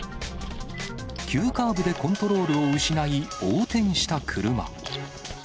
急カーブでコントロールを失い、横転した車。